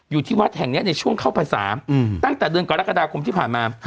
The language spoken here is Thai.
อยู่ที่วัดแห่งนี้ในช่วงเข้าพรรษาตั้งแต่เดือนกรกฎาคมที่ผ่านมา